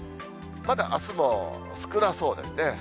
まだあすも少なそうですね。